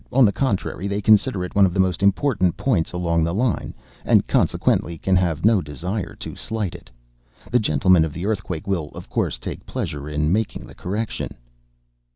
On the contrary, they consider it one of the most important points along the line, and consequently can have no desire to slight it. The gentlemen of the Earthquake will, of course, take pleasure in making the correction.